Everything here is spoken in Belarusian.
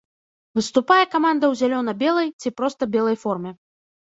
Выступае каманда ў зялёна-белай, ці проста белай форме.